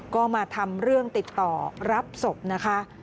ก็มาทำเรื่องติดต่อรับศพนะคะ